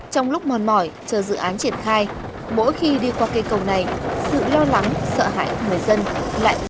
trong lúc mòn mỏi chờ dự án triển khai mỗi khi đi qua cây cầu này sự lo lắng sợ hãi của người dân lại